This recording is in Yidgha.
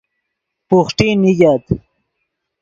بوحٹی نیگت